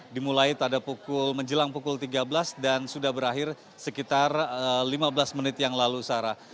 dimulai menjelang pukul tiga belas dan sudah berakhir sekitar lima belas menit yang lalu sarah